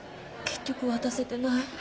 結局渡せてない。